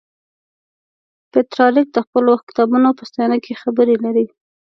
پترارک د خپلو کتابونو په ستاینه کې خبرې لري.